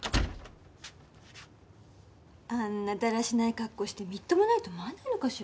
あんなだらしない格好してみっともないと思わないのかしら？